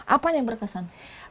apa yang berkesan